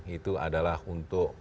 itu adalah untuk